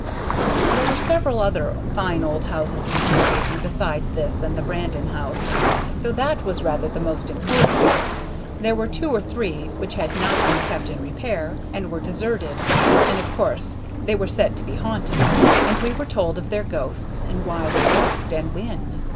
There were several other fine old houses in Deephaven beside this and the Brandon house, though that was rather the most imposing. There were two or three which had not been kept in repair, and were deserted, and of course they were said to be haunted, and we were told of their ghosts, and why they walked, and when.